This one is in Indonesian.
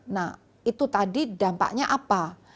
nah itu tadi dampaknya apa